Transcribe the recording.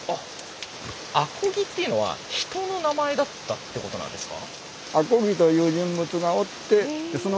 阿漕っていうのは人の名前だったってことなんですか？